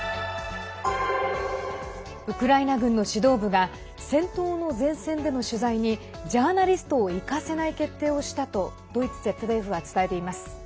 ウクライナ軍の指導部が戦闘の前線での取材にジャーナリストを行かせない決定をしたとドイツＺＤＦは伝えています。